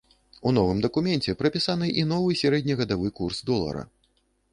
У новым дакуменце прапісаны і новы сярэднегадавы курс долара.